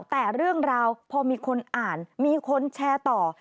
แต่เรื่องราวพอมีคนอ่านมีคนแชร์ต่อ